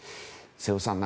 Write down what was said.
瀬尾さん